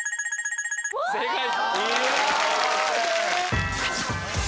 正解！